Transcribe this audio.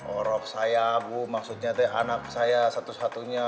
orang saya bu maksudnya dari anak saya satu satunya